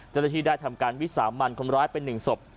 เจ้าตัดที่ได้ทำการวิสาหมันความร้ายเป็นหนึ่งศพ